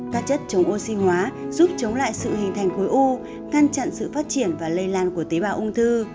các chất chống oxy hóa giúp chống lại sự hình thành khối u ngăn chặn sự phát triển và lây lan của tế bào ung thư